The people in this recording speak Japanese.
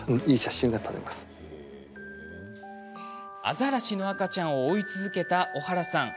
アザラシの赤ちゃんを追い続けた小原さん。